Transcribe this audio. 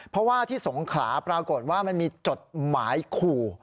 เพราะว่าที่สงขลาปรากฏว่ามันมีจดหมายขู่